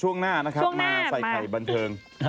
ช่วงหน้ามาใส่ไขบนเทิง